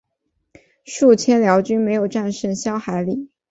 数千辽军没有战胜萧海里。